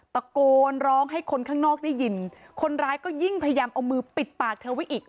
ตะโกนร้องให้คนข้างนอกได้ยินคนร้ายก็ยิ่งพยายามเอามือปิดปากเธอไว้อีก